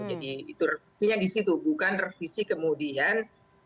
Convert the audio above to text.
jadi itu revisinya di situ bukan revisi kemudian